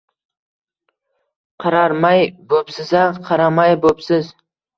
Qararmay bo’psiz-a, qaramay bo’psiz!